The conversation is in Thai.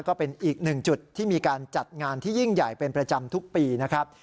ก็เป็นอีกหนึ่งจุดที่มีการจัดงานที่ยิ่งใหญ่เป็นประจำทุกปีนะครับ